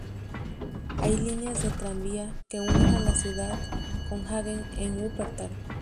Hay una líneas de tranvía que unen a la ciudad con Hagen en Wuppertal.